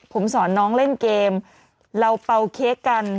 ผมสอนน้องเล่นเกมเราเป่าเค้กกัน